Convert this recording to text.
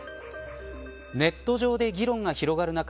ネット上で議論が広がる中